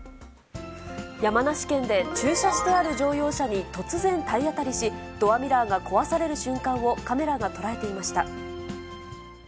山梨県で、駐車してある乗用車に突然、体当たりし、ドアミラーが壊される瞬間をカメラが捉えていました。